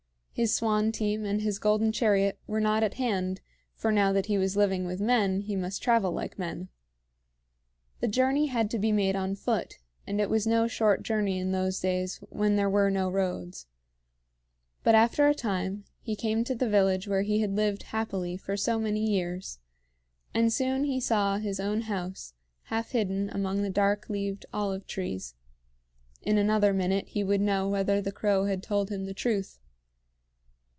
His swan team and his golden chariot were not at hand for, now that he was living with men, he must travel like men. The journey had to be made on foot, and it was no short journey in those days when there were no roads. But after a time, he came to the village where he had lived happily for so many years, and soon he saw his own house half hidden among the dark leaved olive trees. In another minute he would know whether the crow had told him the truth.